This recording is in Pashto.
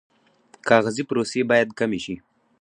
کاغذي پروسې باید کمې شي